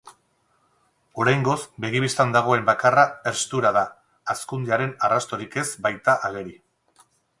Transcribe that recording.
Oraingoz begibistan dagoen bakarra herstura da, hazkundearen arrastorik ez bait da ageri.